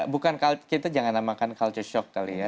bukan kita jangan namakan culture shock kali ya